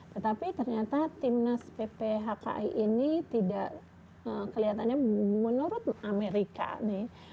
tetapi ternyata timnas pphki ini tidak kelihatannya menurut amerika nih